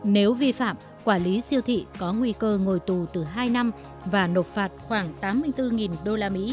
nếu vi phạm quản lý siêu thị có nguy cơ ngồi tù từ hai năm và nộp phạt khoảng tám mươi bốn usd